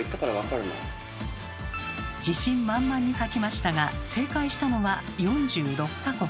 自信満々に書きましたが正解したのは４６か国。